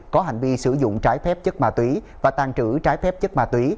có hành vi sử dụng trái phép chất mà tuỷ và tàn trữ trái phép chất mà tuỷ